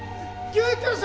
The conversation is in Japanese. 救急車！